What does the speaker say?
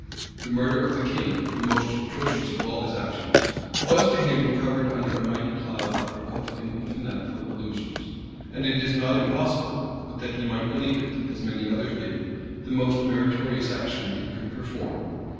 The murder of the king, the most atrocious of all his actions, was to him covered under a mighty cloud of republican and fanatical illusions; and it is not impossible, but he might believe it, as many others did, the most meritorious action that he could perform.